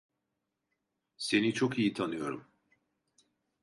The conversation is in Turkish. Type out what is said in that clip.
Seni çok iyi tanıyorum.